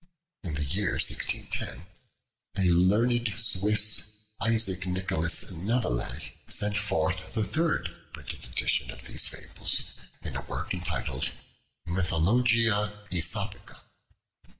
In the year 1610, a learned Swiss, Isaac Nicholas Nevelet, sent forth the third printed edition of these fables, in a work entitled "Mythologia Aesopica."